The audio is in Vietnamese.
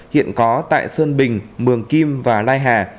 hiện có tại sơn bình mường kim và lai hà